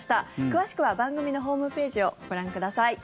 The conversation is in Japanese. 詳しくは番組のホームページをご覧ください。